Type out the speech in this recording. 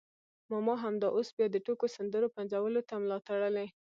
ماما همدا اوس بیا د ټوکو سندرو پنځولو ته ملا تړلې.